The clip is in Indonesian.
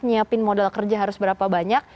nyiapin modal kerja harus berapa banyak